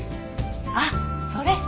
ああっそれ。